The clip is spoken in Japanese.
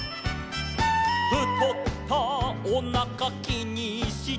「ふとったおなかきにして」